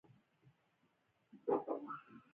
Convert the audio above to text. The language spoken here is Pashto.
پخول میکروبونه او پرازیټونه له منځه وړي.